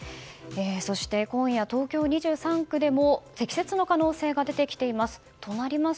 そして、今夜東京２３区でも積雪の可能性が出てきています。